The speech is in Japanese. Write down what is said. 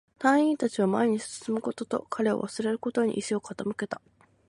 隊員達は前に進むことと、彼を忘れることに意志を傾けた